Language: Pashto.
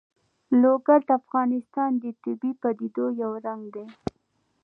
لوگر د افغانستان د طبیعي پدیدو یو رنګ دی.